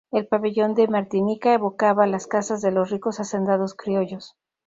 El Pabellón de Martinica evocaba las casas de los ricos hacendados criollos.